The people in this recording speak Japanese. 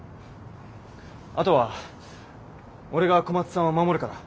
あとは俺が小松さんを守るから。